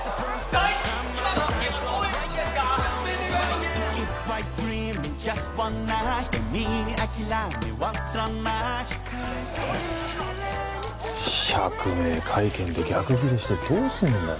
「ＢＥＴＴＩＮＧ」釈明会見で逆ギレしてどうすんだよ。